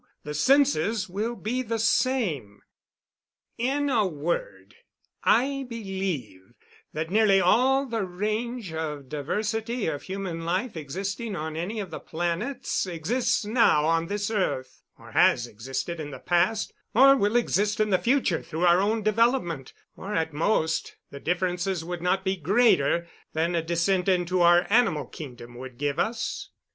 The senses will be the same. "In a word, I believe that nearly all the range of diversity of human life existing on any of the planets exists now on this earth, or has existed in the past, or will exist in the future through our own development, or at most the differences would not be greater than a descent into our animal kingdom would give us.